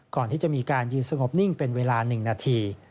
ก่อนที่จะมีการยืนสงบนิ่งเป็นเวลา๑นาที